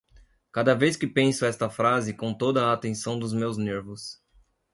Cada vez que penso esta frase com toda a atenção dos meus nervos